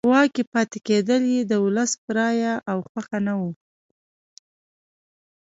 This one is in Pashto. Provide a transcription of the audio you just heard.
په واک کې پاتې کېدل یې د ولس په رایه او خوښه نه وو.